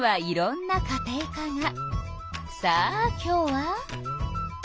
さあ今日は。